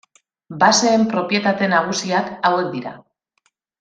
Baseen propietate nagusiak hauek dira.